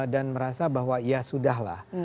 dan merasa bahwa ya sudah lah